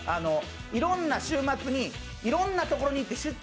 いろんな週末にいろんなところに行って出張